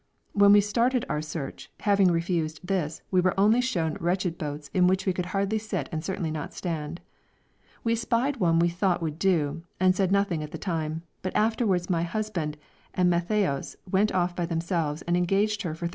When we started our search, having refused this, we were only shown wretched boats in which we could hardly sit and certainly not stand. We espied one we thought would do, and said nothing at that time, but afterwards my husband and Matthaios went off by themselves and engaged her for 35_l.